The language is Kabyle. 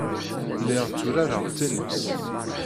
Lliɣ tturareɣ tennis.